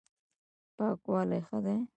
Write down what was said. پاکوالی ښه دی.